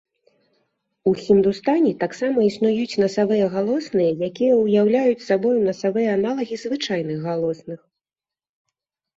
У хіндустані таксама існуюць насавыя галосныя, якія ўяўляюць сабою насавыя аналагі звычайных галосных.